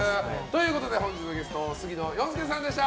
本日のゲスト杉野遥亮さんでした。